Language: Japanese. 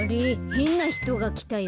へんなひとがきたよ。